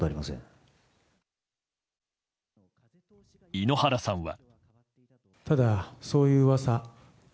井ノ原さんは。